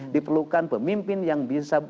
diperlukan pemimpin yang bisa